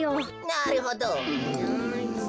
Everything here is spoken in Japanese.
なるほど。